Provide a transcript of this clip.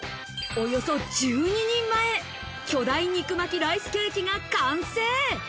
およそ１２人前、巨大肉巻きライスケーキが完成。